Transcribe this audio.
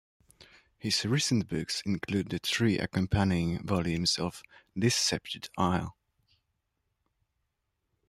His recent books include the three accompanying volumes of "This Sceptred Isle".